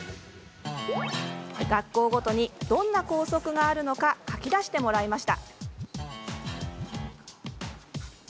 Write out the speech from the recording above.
学校ごとにどんな校則があるのか書き出していただきました。